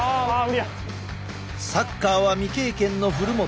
サッカーは未経験の古元。